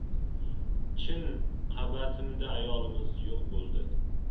Chin, qabatimda ayolimiz yo‘q bo‘ldi.